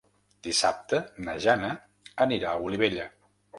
Dissabte na Jana anirà a Olivella.